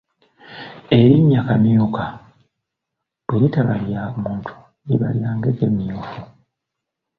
Erinnya Kamyuka bwe litaba lya muntu liba lya ngege myufu.